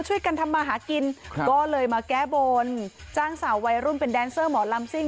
ช่วยกันทำมาหากินครับก็เลยมาแก้บนจ้างสาววัยรุ่นเป็นแดนเซอร์หมอลำซิ่ง